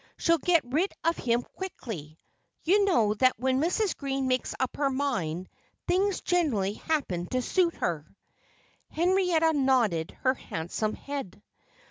She'll get rid of him quickly. You know that when Mrs. Green makes up her mind, things generally happen to suit her." Henrietta nodded her handsome head.